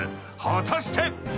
［果たして⁉］